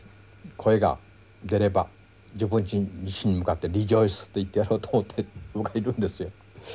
声が出れば自分自身に向かって「リジョイス」と言ってやろうと思って僕はいるんですよ。